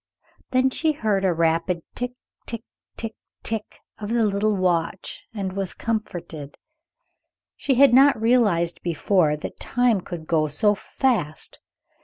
Then she heard the rapid "tick, tick, tick, tick," of the little watch, and was comforted. She had not realized before that time could go so fast.